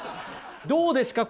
どうですか？